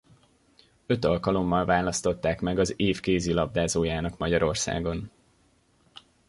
Öt alkalommal választották meg az év kézilabdázójának Magyarországon.